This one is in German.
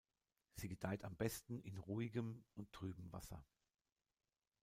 Sie gedeiht am besten in ruhigem und trüben Wasser.